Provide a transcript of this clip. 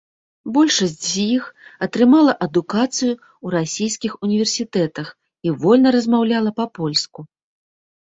Большасць з іх атрымала адукацыю ў расійскіх універсітэтах і вольна размаўляла па-польску.